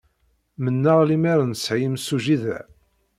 Mennaɣ lemmer nesɛi imsujji da.